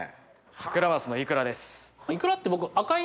サクラマスのイクラです。